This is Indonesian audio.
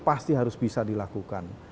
pasti harus bisa dilakukan